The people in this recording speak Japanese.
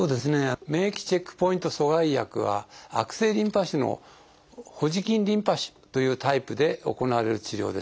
免疫チェックポイント阻害薬は悪性リンパ腫のホジキンリンパ腫というタイプで行われる治療です。